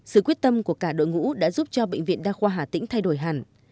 sự quyết tâm của cả đội ngũ đã giúp cho bệnh viện đa khoa hà tĩnh thay đổi hẳn